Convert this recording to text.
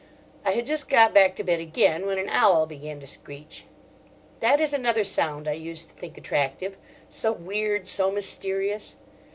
I had just got back to bed again when an owl began to screech. That is another sound I used to think attractive—so weird, so mysterious.